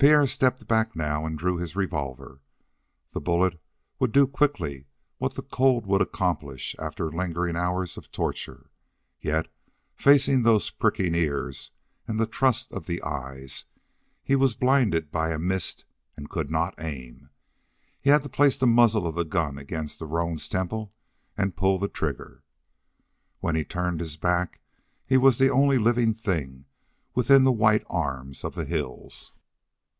Pierre stepped back and drew his revolver. The bullet would do quickly what the cold would accomplish after lingering hours of torture, yet, facing those pricking ears and the trust of the eyes, he was blinded by a mist and could not aim. He had to place the muzzle of the gun against the roan's temple and pull the trigger. When he turned his back he was the only living thing within the white arms of the hills.